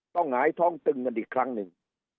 หงายท้องตึงกันอีกครั้งหนึ่ง